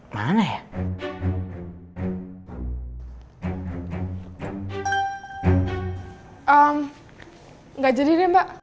gak ada kembaliannya